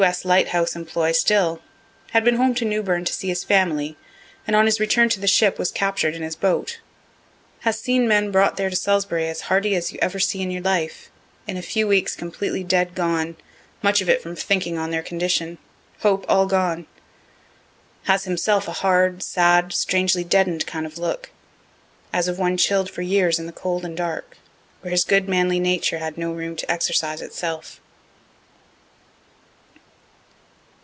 S. light house employ still (had been home to Newbern to see his family, and on his return to the ship was captured in his boat.) Has seen men brought there to Salisbury as hearty as you ever see in your life in a few weeks completely dead gone, much of it from thinking on their condition hope all gone. Has himself a hard, sad, strangely deaden'd kind of look, as of one chill' d for years in the cold and dark, where his good manly nature had no room to exercise itself.